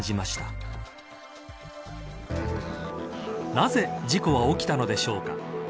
なぜ事故は起きたのでしょうか。